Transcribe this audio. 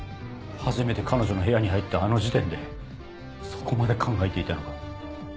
初めて彼女の部屋に入ったあの時点でそこまで考えていたのか？